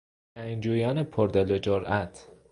جنگجویان پر دل و جرات